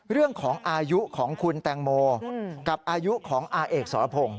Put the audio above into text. เรื่องของอายุของคุณแตงโมกับอายุของอาเอกสรพงศ